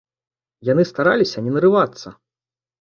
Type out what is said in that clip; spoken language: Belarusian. Яны стараліся не нарывацца.